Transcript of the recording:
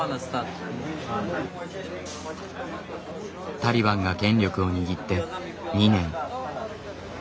タリバンが権力を握って２年。